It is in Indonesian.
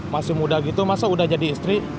masih muda gitu masa udah jadi istri